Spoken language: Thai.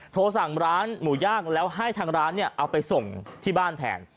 โทรสั่งร้านหมูย่างแล้วให้ทางร้านเอาไปส่งที่บ้านแทน